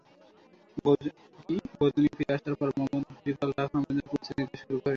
গজনি ফিরে আসার পর মুহাম্মদ ঘুরি পাল্টা আক্রমণের জন্য প্রস্তুতি নিতে শুরু করেন।